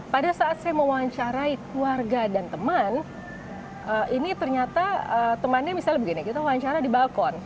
pada saat saya mewawancarai keluarga dan teman ini ternyata temannya misalnya begini kita wawancara di balkon